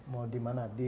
mau di mana